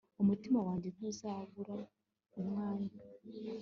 umutima wanjye ntuzabura umwanya